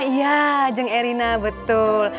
iya jeng erina betul